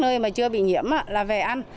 nơi mà chưa bị nhiễm là về ăn